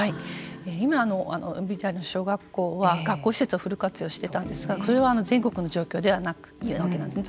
今、ＶＴＲの小学校は学校施設をフル活用していたんですがそれは全国での状況ではないんですね。